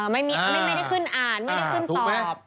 ไม่ได้ขึ้นอ่านไม่ได้ขึ้นตอบ